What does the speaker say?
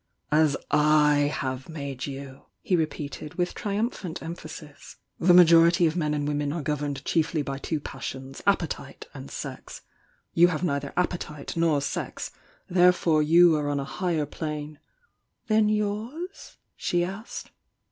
•..^• "As / have made you! he repeated, with tri umphant emphasis. "The majority of men and women pre governed chiefly by two passions. Appe tite and Sex. You have neither Appetitepor Sex,— therefore you are on a higher plane " "Than yours?" she asked.